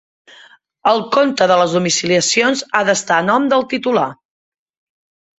El compte de les domiciliacions ha d'estar a nom del titular.